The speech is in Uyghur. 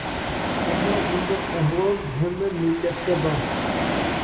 ئەمما بۇنداق ئەھۋال ھەممە مىللەتتە بار!